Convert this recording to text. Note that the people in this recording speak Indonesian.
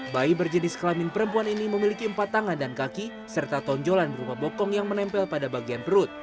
bayi berjenis kelamin perempuan ini memiliki empat tangan dan kaki serta tonjolan berupa bokong yang menempel pada bagian perut